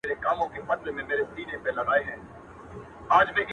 کومول زړه نا زړه سو تېر له سر او تنه،